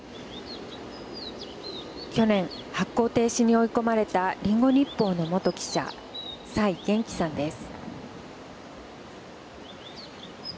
去年、発行停止に追い込まれたリンゴ日報の元記者蔡元貴さんです。